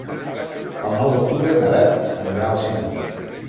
El nou d'octubre na Beth anirà al cinema.